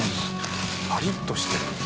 パリッとしてる。